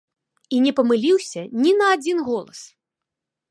І не памыліўся ні на адзін голас!